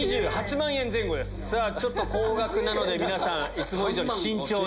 ちょっと高額なので皆さんいつも以上に慎重に。